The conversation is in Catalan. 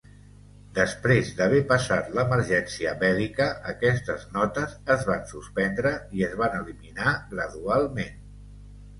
Després d'haver passat l'emergència bèl·lica, aquestes notes es van suspendre i es van eliminar gradualment.